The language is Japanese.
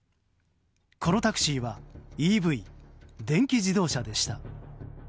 このタクシーはＥＶ・電気自動車でした。